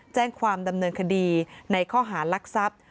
แจ้งความดำเนินคดีในข้อหารักทรัพย์